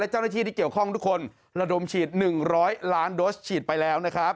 และเจ้าน้าที่ที่เกี่ยวข้องทุกคนระดมฉีดหนึ่งร้อยล้านดส์ฉีดไปแล้ว